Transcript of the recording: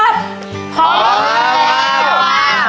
พร้อมครับ